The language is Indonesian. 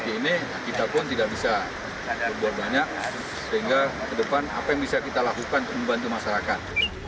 di ini kita pun tidak bisa berbuat banyak sehingga ke depan apa yang bisa kita lakukan untuk membantu masyarakat